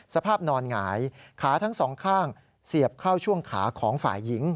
สภาพนอนหงายขาทั้งสองข้างเสียบเข้าช่วงขาของฝ่ายหญิง